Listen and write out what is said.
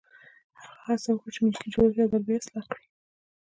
هغه هڅه وکړه چې ملکي جوړښت یو ځل بیا اصلاح کړي.